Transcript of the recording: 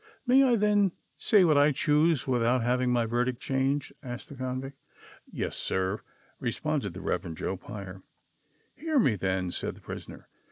" May I then say what I choose, without having my ver dict changed V " asked the convict. "Yes, sir," responded the Rev. Joe Pier. "Hear me, then," said the prisoner.